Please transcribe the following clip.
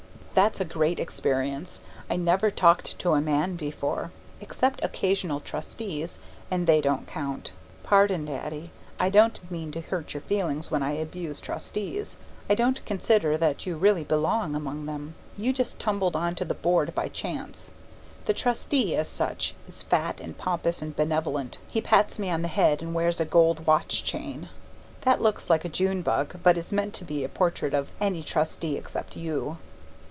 That's a great experience. I never talked to a man before (except occasional Trustees, and they don't count). Pardon, Daddy, I don't mean to hurt your feelings when I abuse Trustees. I don't consider that you really belong among them. You just tumbled on to the Board by chance. The Trustee, as such, is fat and pompous and benevolent. He pats one on the head and wears a gold watch chain. That looks like a June bug, but is meant to be a portrait of any Trustee except you.